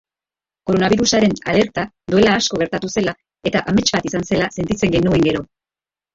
Koronabirusaren alerta duela asko gertatu zela eta amets bat izan zela sentitzen genuen gero.